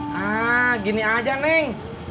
nah gini aja neng